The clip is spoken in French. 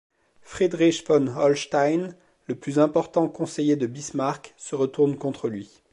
Friedrich von Holstein, le plus important conseiller de Bismarck, se retourne contre lui.